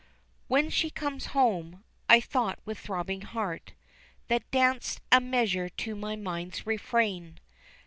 "WHEN she comes home," I thought with throbbing heart, That danced a measure to my mind's refrain.